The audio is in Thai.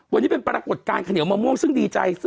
วันนี้เป็นปรากฏการณ์ข้าวเหนียวมะม่วงซึ่งดีใจ